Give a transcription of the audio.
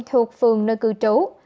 thuộc phường nơi cư trú